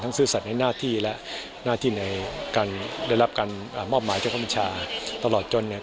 นั้ที่และนาที่ในการได้รับการมอบหมายงานชาวที่มีแรค